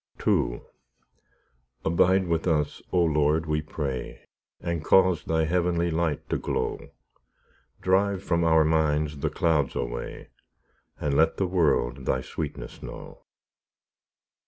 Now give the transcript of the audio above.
II Abide with us, O Lord, we pray, And cause Thy heavenly light to glow; Drive from our minds the clouds away, And let the world Thy sweetness know.